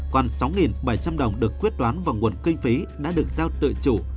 còn sáu bảy trăm linh đồng được quyết toán vào nguồn kinh phí đã được giao tự chủ